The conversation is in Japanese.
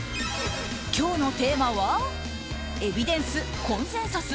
今日のテーマはエビデンス、コンセンサス